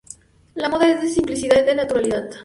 La moda es de más simplicidad, de naturalidad.